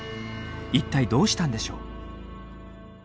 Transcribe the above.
いったいどうしたんでしょう？